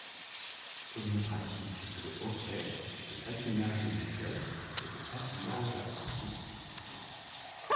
On y pratique le hockey, le patinage de vitesse et le patinage artistique.